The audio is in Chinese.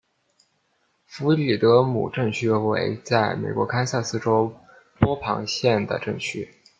弗里德姆镇区为位在美国堪萨斯州波旁县的镇区。